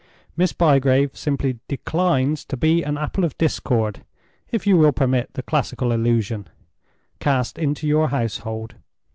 Miss Bygrave simply declines to be an apple of discord (if you will permit the classical allusion) cast into your household.